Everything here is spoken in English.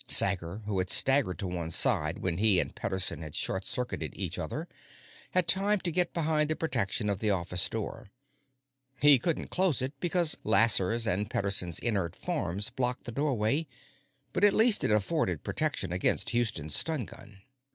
Sager, who had staggered to one side when he and Pederson had short circuited each other, had time to get behind the protection of the office door. He couldn't close it because Lasser's and Pederson's inert forms blocked the doorway, but at least it afforded protection against Houston's stun gun.